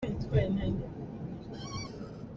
Ka dawt, nangmah lo cun hi vawlei nun hi ka huam ti lo.